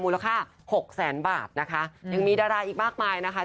ค่าหกแสนบาทนะคะยังมีดาราอีกมากมายนะคะ